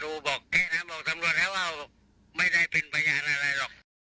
บอกแค่นั้นบอกตำรวจแล้วว่าไม่ได้เป็นพยานอะไรหรอก